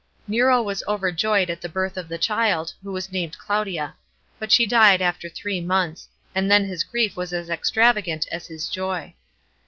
Nero was overjoyed at the birth of the child, \\ho was named Claudia, but she died afUr three months, and then his griet was as extravaian^ as his joy.